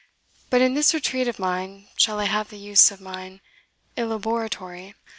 But in this retreat of mine shall I have the use of mine elaboratory?"